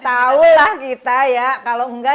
tahulah kita ya kalau enggak